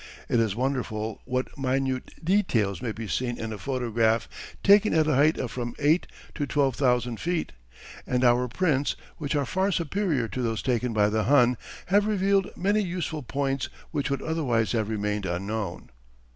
It is wonderful what minute details may be seen in a photograph taken at a height of from eight to twelve thousand feet, and our prints, which are far superior to those taken by the Hun, have revealed many useful points which would otherwise have remained unknown.